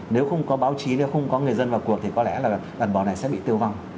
nếu không có báo chí nếu không có người dân vào cuộc thì có lẽ là đàn bò này sẽ bị thương vong